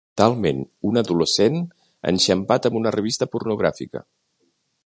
Talment un adolescent enxampat amb una revista pornogràfica.